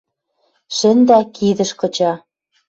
Шӹндӓ, кидӹш кыча